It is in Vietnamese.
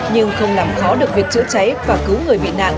nhưng không làm khó được việc chữa cháy và cứu người bị nạn